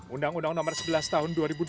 undang undang nomor sebelas tahun dua ribu dua